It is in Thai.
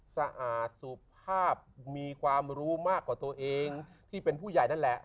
สะอาดสุภาพมีความรู้มากกว่าตัวเองที่เป็นผู้ใหญ่นั่นแหละ